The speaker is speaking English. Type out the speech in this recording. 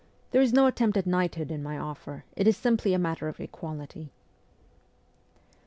There is no attempt at knighthood in my offer, it is simply a matter of equality.'